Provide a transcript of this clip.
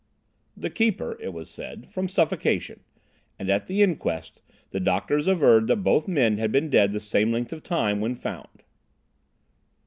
"The keeper, it was said, from suffocation. And at the inquest the doctors averred that both men had been dead the same length of time when found."